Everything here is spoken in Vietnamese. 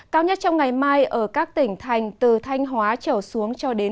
cao nhất trong ngày mai ở các tỉnh thành từ thanh hóa trở xuống cho đến